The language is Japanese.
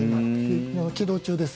起動中です。